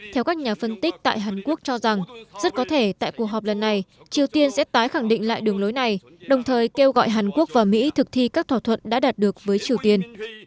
theo các nhà phân tích tại hàn quốc cho rằng rất có thể tại cuộc họp lần này triều tiên sẽ tái khẳng định lại đường lối này đồng thời kêu gọi hàn quốc và mỹ thực thi các thỏa thuận đã đạt được với triều tiên